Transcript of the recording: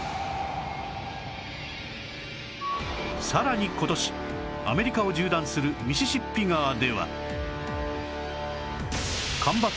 さらに今年アメリカを縦断するミシシッピ川では